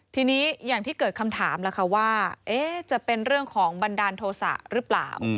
ทีนี้อย่างที่เกิดคำถามล่ะค่ะว่าจะเป็นเรื่องของบันดาลโทษะหรือเปล่า